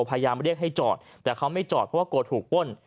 พยายามเรียกให้จอดแต่เขาไม่จอดเพราะว่ากลัวถูกป้น